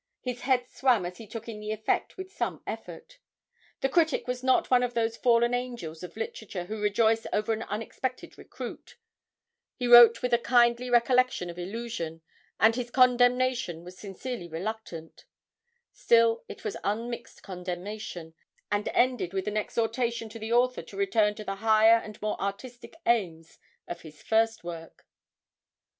His head swam as he took in the effect with some effort. The critic was not one of those fallen angels of literature who rejoice over an unexpected recruit; he wrote with a kindly recollection of 'Illusion,' and his condemnation was sincerely reluctant; still, it was unmixed condemnation, and ended with an exhortation to the author to return to the 'higher and more artistic aims' of his first work.